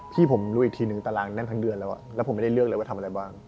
พี่ผมรู้อีกทีนึงตารางแน่นทั้งเดือนแล้วแล้วผมไม่ได้เลือกเลยว่าทำอะไรบ้าง